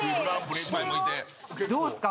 どうっすか？